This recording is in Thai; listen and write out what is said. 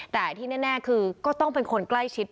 แต่ที่แน่คือก็ต้องเป็นคนใกล้ชิด